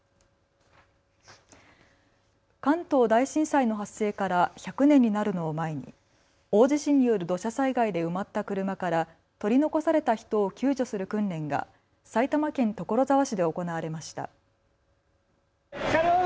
関東大震災の発生から１００年になるのを前に大地震による土砂災害で埋まった車から取り残された人を救助する訓練が埼玉県所沢市で行われました。